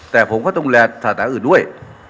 แต่ผมก็ต้องแรกศาสตราอื่นด้วย